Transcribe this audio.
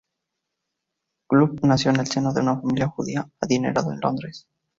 Gluck nació en el seno de una familia judía adinerada en Londres.